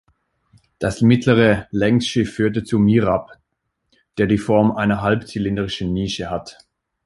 Das mittlere Längsschiff führt zum Mihrab, der die Form einer halb-zylindrischen Nische hat.